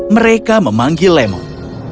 mereka memanggil lemon